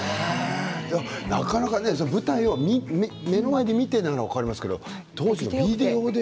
なかなか部隊を目の前で見ていたなら分かりますけど当時のビデオで？